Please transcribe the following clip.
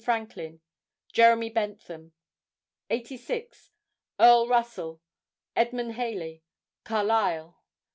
Franklin; Jeremy Bentham. 86—Earl Russell; Edmund Halley; Carlyle.